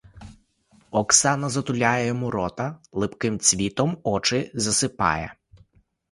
Оксана затуляє йому рота, липким цвітом очі засипає.